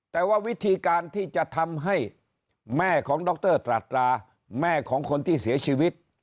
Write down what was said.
แต่ว่าวิธีการที่จะทำให้แม่ของดรตราตราแม่ของคนที่เสียชีวิต